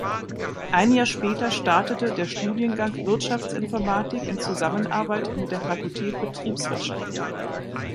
Ein Jahr später startete der Studiengang Wirtschaftsinformatik in Zusammenarbeit mit der Fakultät Betriebswirtschaft.